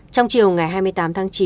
trong chiều ngày hai mươi tám tháng chín